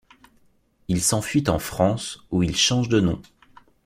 Il s'enfuit en France, où il change de nom.